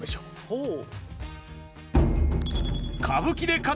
ほう。